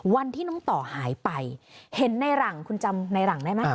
วันที่น้องต่อหายไปเห็นในหลังคุณจำในหลังได้ไหม